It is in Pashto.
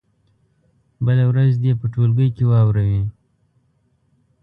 بله ورځ دې یې په ټولګي کې واوروي.